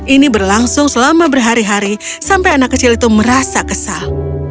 ini berlangsung selama berhari hari sampai anak kecil itu merasa kesal